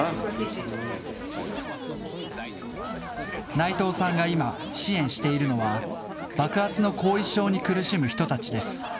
内藤さんが今、支援しているのは、爆発の後遺症に苦しむ人たちです。